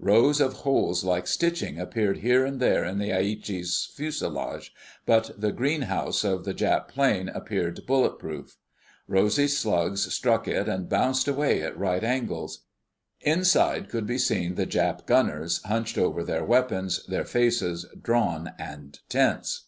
Rows of holes like stitching appeared here and there in the Aichi's fuselage, but the "greenhouse" of the Jap plane appeared bulletproof. Rosy's slugs struck it and bounced away at right angles. Inside could be seen the Jap gunners, hunched over their weapons, their faces drawn and tense.